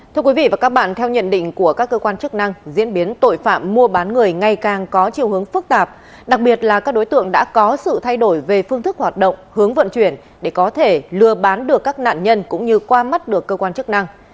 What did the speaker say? thưa quý vị và các bạn theo nhận định của các cơ quan chức năng diễn biến tội phạm mua bán người ngày càng có chiều hướng phức tạp đặc biệt là các đối tượng đã có sự thay đổi về phương thức hoạt động hướng vận chuyển để có thể lừa bán được các nạn nhân cũng như qua mắt được cơ quan chức năng